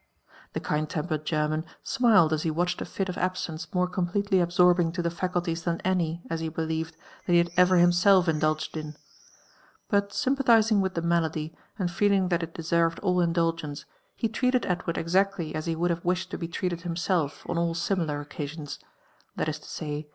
The kind tempered German smiled as he watched a fit of absence moro completely absorbing to ihe facullies than any, as he believed, thai he had ever hipiself indulged in. But sympaihising wilh the ma lady, and feeling |hai it deserved all indulgence, he ir.ealed Edward exactly as ite Mould have wished lobo treated himself on all similar occasions; that istosav.